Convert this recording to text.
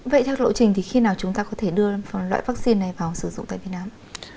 vậy theo lộ trình thì khi nào chúng ta có thể đưa loại vaccine này vào sử dụng tại việt nam